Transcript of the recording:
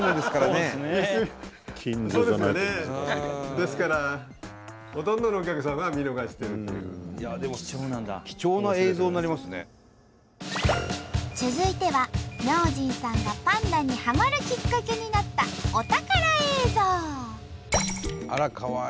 ですから続いては明神さんがパンダにはまるきっかけになったあらかわいい。